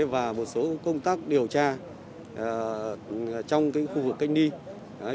và một số công tác điều tra trong khu vực kinh nghi